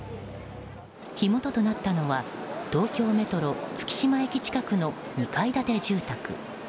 火元となったのは東京メトロ月島駅近くの２階建て住宅。